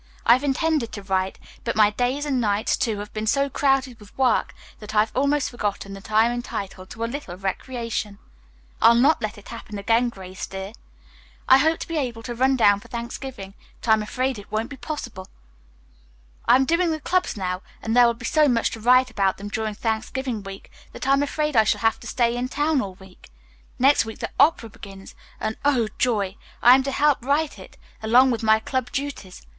I've intended to write, but my days and nights, too, have been so crowded with work that I have almost forgotten that I am entitled to a little recreation. I'll try not to let it happen again, Grace, dear. I hoped to be able to run down for Thanksgiving, but I am afraid it won't be possible. "I am doing the clubs now, and there will be so much to write about them during Thanksgiving week that I am afraid I shall have to stay in town all week. Next week the opera begins, and, oh, joy! I am to help write it along with my club duties.